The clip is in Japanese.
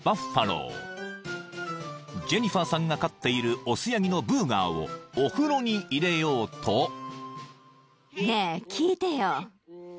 ［ジェニファーさんが飼っている雄ヤギのブーガーをお風呂に入れようと］ねえ。